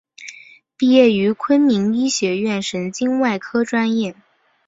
毕业于昆明医学院神经外科专业。